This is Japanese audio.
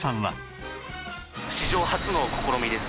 史上初の試みです。